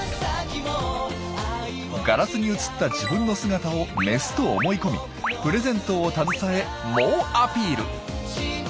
ガラスに映った自分の姿をメスと思い込みプレゼントを携え猛アピール。